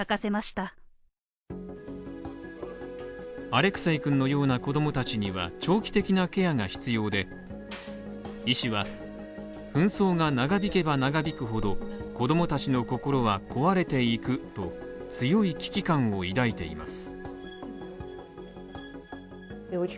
アレクセイくんのような子供たちには長期的なケアが必要で医師は紛争が長引けば長引くほど、子供たちの心は壊れていくと強い危機感を示しています。